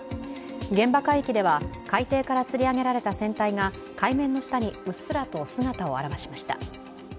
現場海域では海底からつり上げられた船体が海面の下にうっすらと姿を現しました。